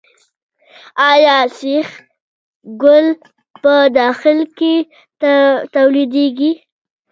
آیا سیخ ګول په داخل کې تولیدیږي؟